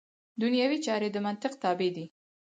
دنیوي چارې د منطق تابع دي.